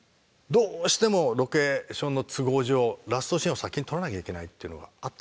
どうしてもロケーションの都合上ラストシーンを先に撮らなきゃいけないっていうのがあったりするわけよ。